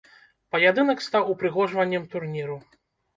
Паядынак стаў упрыгожваннем турніру.